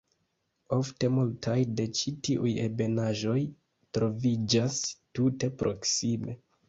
Ofte multaj de ĉi tiuj ebenaĵoj troviĝas tute proksime.